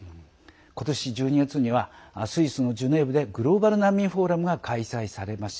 今年１２月にはスイスのジュネーブでグローバル難民フォーラムが開催されます。